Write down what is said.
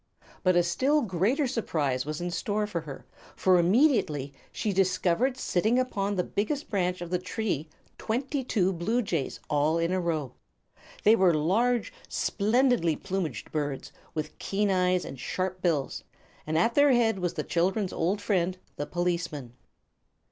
But a still greater surprise was in store for her, for immediately she discovered sitting upon the biggest branch of the tree twenty two bluejays, all in a row. They were large, splendidly plumaged birds, with keen eyes and sharp bills, and at their head was the children's old friend, the policeman.